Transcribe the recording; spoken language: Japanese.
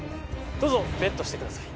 どうぞＢＥＴしてください